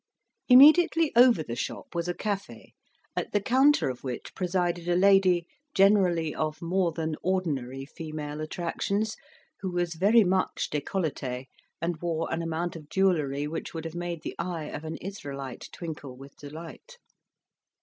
Immediately over the shop was a cafe, at the counter of which presided a lady, generally of more than ordinary female attractions, who was very much decolletee, and wore an amount of jewellery which would have made the eye of an Israelite twinkle with delight.